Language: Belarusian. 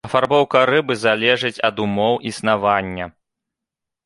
Афарбоўка рыбы залежыць ад умоў існавання.